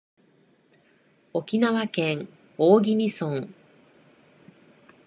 沖縄県大宜味村